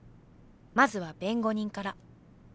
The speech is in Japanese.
まずは弁護人から。